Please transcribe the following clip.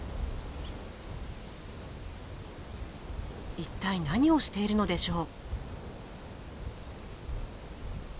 一体何をしているのでしょう？